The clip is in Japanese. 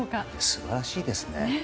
素晴らしいですね。